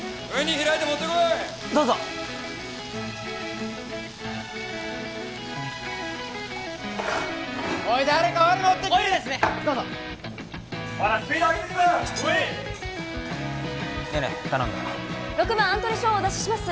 開いて持ってこいどうぞおい誰かオイル持ってオイルですねどうぞほらスピードあげてくぞウイ寧々頼んだ６番アントレ・ショードお出しします